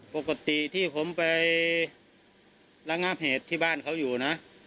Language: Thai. ปกติที่ผมไประงับเหตุที่บ้านเขาอยู่นะ